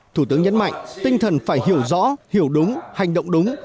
thủ tướng nhấn mạnh tinh thần phải hiểu rõ hiểu đúng hành động đúng